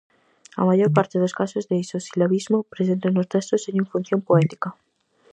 A maior parte dos casos de isosilabismo presentes no texto teñen función poética.